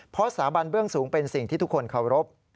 เพราะสาบันเบื้องสูงเป็นสิ่งที่ทุกคนเคารพ